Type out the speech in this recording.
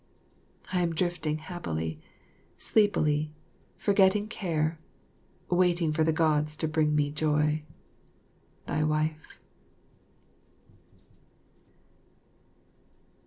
I am drifting happily, sleepily, forgetting care, waiting for the Gods to bring my joy. Thy Wife.